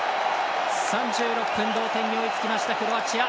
３６分、同点に追いつきましたクロアチア。